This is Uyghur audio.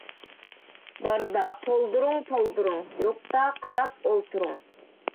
بارىدا پولدۇرۇڭ - پولدۇرۇڭ، يوقىدا قاراپ ئولتۇرۇڭ.